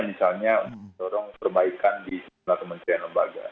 misalnya untuk mendorong perbaikan di sejumlah kementerian lembaga